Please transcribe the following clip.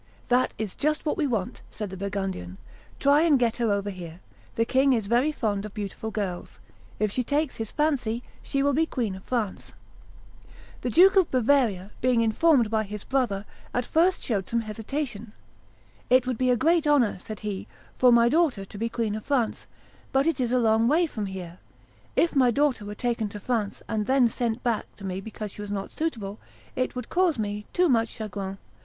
"That is just what we want," said the Burgundian: "try and get her over here; the king is very fond of beautiful girls; if she takes his fancy, she will be Queen of France." The Duke of Bavaria, being informed by his brother, at first showed some hesitation. "It would be a great honor," said he, "for my daughter to be Queen of France; but it is a long way from here. If my daughter were taken to France, and then sent back to me because she was not suitable, it would cause me too much chagrin.